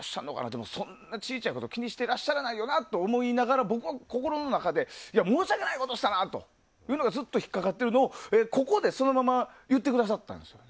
でも、そんな小さいこと気にしてらっしゃらないよなと思いながら、心の中で申し訳ないことをしたなとずっと引っかかっているのをここで言ってくださったんですよ。